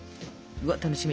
うわっ楽しみ。